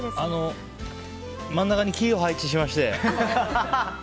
真ん中にキーを配置しまして。